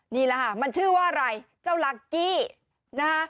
นี่แหละค่ะมันชื่อว่าอะไรเจ้าลักกี้นะคะ